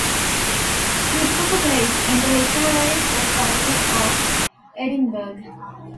He took a place in the literary society of Edinburgh.